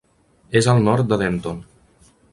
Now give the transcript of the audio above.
És al nord de Denton.